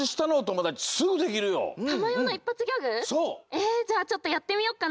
えじゃあちょっとやってみよっかな。